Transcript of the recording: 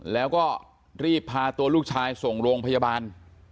แล้วก็รีบพาตัวลูกชายส่งโรงพยาบาล